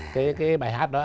cái bài hát đó